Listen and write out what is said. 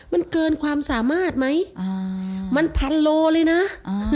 มันเกินความสามารถไหมอ่ามันพันโลเลยนะอ่า